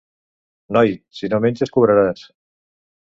Noi, si no menges cobraràs!